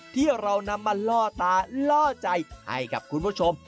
ที่เรานำมาล่อตาล่อใจให้กับคุณผู้ชม